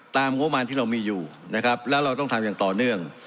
งบมารที่เรามีอยู่นะครับแล้วเราต้องทำอย่างต่อเนื่อง